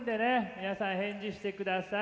皆さん返事して下さい。